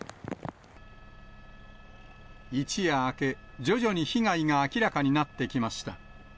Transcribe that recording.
一夜明け、徐々に被害が明らかになってきました。